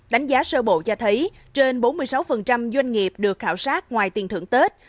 đánh giá sơ bộ cho thấy trên bốn mươi sáu doanh nghiệp được khảo sát ngoài tiền thưởng tết